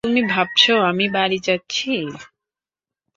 তুমি ভাবছো আমি বাড়ি যাচ্ছি?